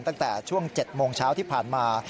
ตั้งแต่ช่วง๗โมงเช้าที่ผ่านมา